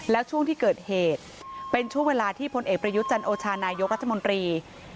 แล้วช่วงที่เกิดเหตุเป็นช่วงเวลาที่พลเอกประยุทธ์จันโอชานายกรัฐมนตรี